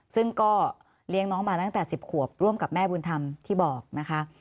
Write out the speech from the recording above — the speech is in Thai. ซึ่งก็เลี้ยงน้องมาตั้งแต่๑๐ขวบร่วมกับแม่บุญธรรมที่บอกนะคะ